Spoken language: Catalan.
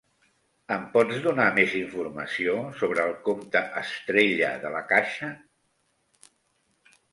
Em pots donar més informació sobre el compte Estrella de La Caixa?